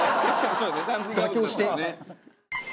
妥協して。